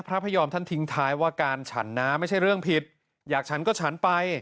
พระพยอมท่านทิ้งท้ายว่าการฉันนะไม่ใช่เรื่องผิดอยากฉันก็ฉันไป